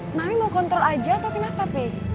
mami mau kontrol aja atau kenapa pih